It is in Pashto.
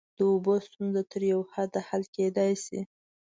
د اوبو ستونزه تر یوه حده حل کیدای شي.